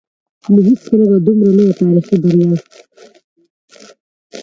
نو هېڅکله به دومره لويه تاريخي بريا